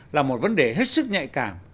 là một vấn đề hết sức nhạy cảm